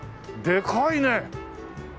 でかいね！